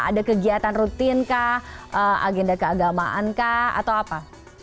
ada kegiatan rutin kah agenda keagamaan kah atau apa